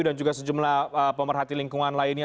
dan juga sejumlah pemerhati lingkungan lainnya